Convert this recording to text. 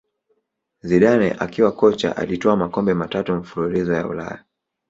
Zidane akiwa kocha alitwaa makombe matatu mfululizo ya Ulaya